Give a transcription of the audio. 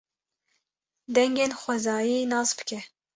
Dengên xwezayî nas bike.